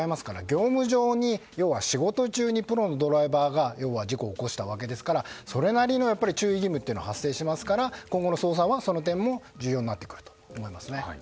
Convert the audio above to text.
業務上仕事中にプロのドライバーが要は事故を起こしたわけですからそれなりの注意義務が発生しますから、今後の捜査はその点も重要になってくると思います。